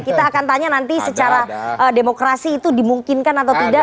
kita akan tanya nanti secara demokrasi itu dimungkinkan atau tidak